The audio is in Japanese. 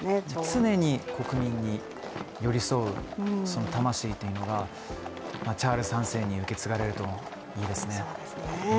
常に国民に寄り添う魂というのがチャールズ３世に受け継がれるといいですね。